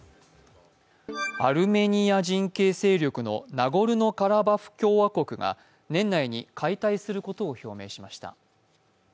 アルメニア人系勢力のナゴルノ・カラバフ共和国が年内に解体することを表明しました。